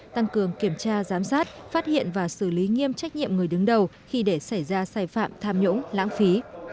tăng cường kiểm tra giám sát phát hiện và xử lý nghiêm trách nhiệm người đứng đầu khi để xảy ra sai phạm tham nhũng lãng phí